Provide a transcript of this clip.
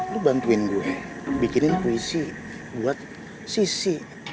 lu bantuin gue bikinin puisi buat sisi